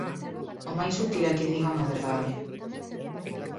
O máis útil é que digan a verdade.